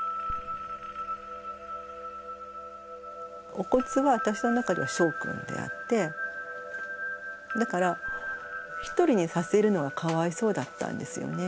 お骨は私の中ではしょうくんであってだから１人にさせるのがかわいそうだったんですよね。